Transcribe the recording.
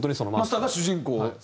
マスターが主人公？